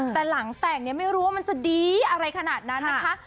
แต่หลังแต่งเนี่ยไม่รู้ว่ามันจะดีอะไรขนาดนั้นนะคะ